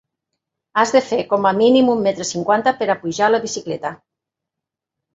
Has de fer com a mínim un metre cinquanta per pujar a la bicicleta.